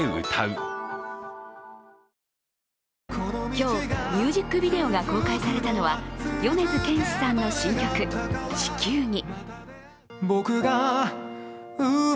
今日、ミュージックビデオが公開されたのは米津玄師さんの新曲「地球儀」。